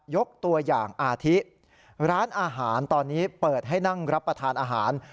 ยกตัวอย่างอาทิร้านอาหารตอนนี้เปิดให้นั่งรับประทานอาหาร